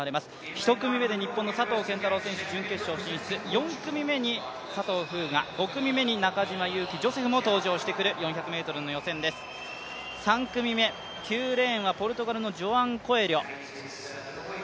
１組目で佐藤拳太郎が準決勝進出、４組目に佐藤風雅、５組目に中島佑気ジョセフも登場してくる４００ｍの予選です、３組目９レーンはポルトガルのジョアン・コエリョ。